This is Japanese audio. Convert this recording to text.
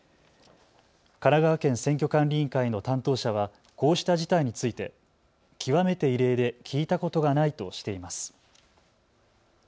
神奈川県選挙管理委員会の担当者はこうした事態について極めて異例で聞いたことがないとしています。